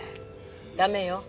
駄目よ。